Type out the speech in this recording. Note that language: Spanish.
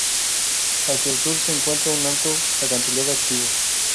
Hacia el sur se encuentra un alto acantilado activo.